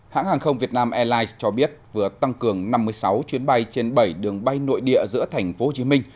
hãng hàng không việt nam airlines cho biết vừa tăng cường năm mươi sáu chuyến bay trên bảy đường bay nội địa giữa thành phố hồ chí minh